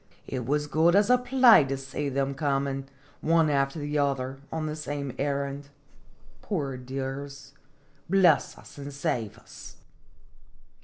It was good as a play to see them comin', one after the other, on the same errand. Poor dears ! Bless us and save us